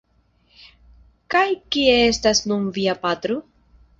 Kaj kie estas nun via patro?